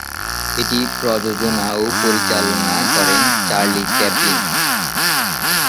এটি প্রযোজনা ও পরিচালনা করেন চার্লি চ্যাপলিন।